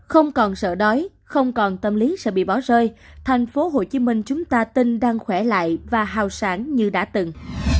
không còn sợ đói không còn tâm lý sẽ bị bỏ rơi thành phố hồ chí minh chúng ta tin đang khỏe lại và hào sản như đã từng